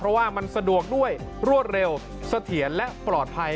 เพราะว่ามันสะดวกด้วยรวดเร็วเสถียรและปลอดภัย